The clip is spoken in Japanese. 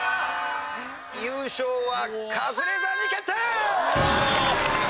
優勝はカズレーザーに決定！